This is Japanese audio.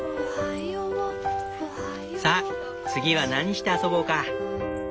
さ次は何して遊ぼうか？